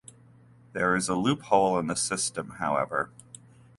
There is a loophole in the system, however.